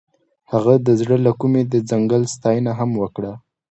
هغې د زړه له کومې د ځنګل ستاینه هم وکړه.